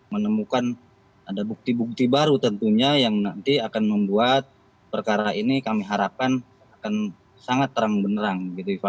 menemukan ada bukti bukti baru tentunya yang nanti akan membuat perkara ini kami harapkan akan sangat terang benerang